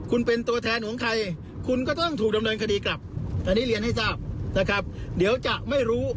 อืม